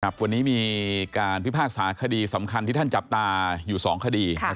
วันนี้มีการพิพากษาคดีสำคัญที่ท่านจับตาอยู่๒คดี